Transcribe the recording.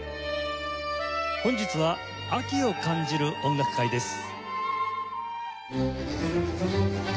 本日は「秋を感じる音楽会」です。